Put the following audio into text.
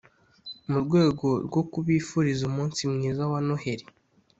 mu rwego rwo kubifuriza umunsi mwiza wa Noheli